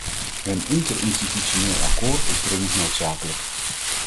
Een interinstitutioneel akkoord is dringend noodzakelijk.